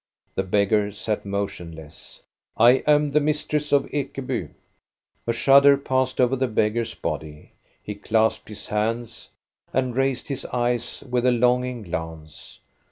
The beggar sat motionless. " I am the mistress of Ekeby." A shudder passed over the beggar's body. He clasped his hands and raised his eyes with a longing glance.